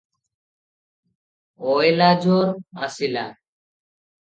ଅଏଁଲାଯୋର ଆସିଲା?